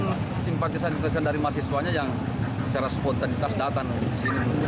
memang simpatisan simpatisan dari mahasiswanya yang secara spontanitas datang disini